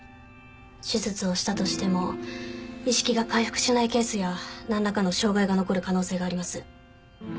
手術をしたとしても意識が回復しないケースやなんらかの障害が残る可能性があります。